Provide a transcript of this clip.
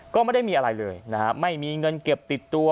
ก็ไม่ได้มีอะไรเลยนะฮะไม่มีเงินเก็บติดตัว